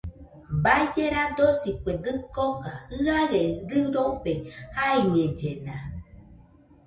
Baie radosi kue dɨkoka, jɨaɨe dɨrofe jaiñellena